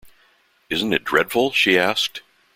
“Isn’t it dreadful?” she asked.